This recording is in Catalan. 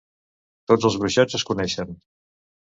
Tots els bruixots es coneixen.